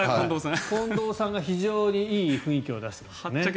近藤さんが非常にいい雰囲気を出している。